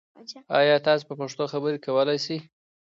آیا ته په پښتو خبرې کولای شې؟